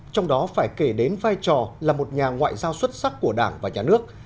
trong đó phải kể đến vai trò là một nhà ngoại giao xuất sắc của đảng và nhà nước